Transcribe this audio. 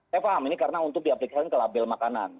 saya paham ini karena untuk diaplikasikan ke label makanan